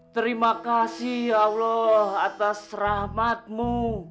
terima kasih ya allah atas rahmatmu